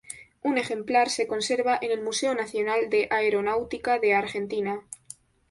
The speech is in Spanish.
Un ejemplar se conserva en el Museo Nacional de Aeronáutica de Argentina.